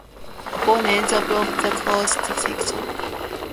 Opponents appealed the court decision.